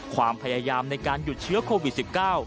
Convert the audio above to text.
ความพยายามในการหยุดเชื้อโควิด๑๙